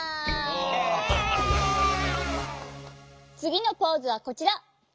つぎのポーズはこちら。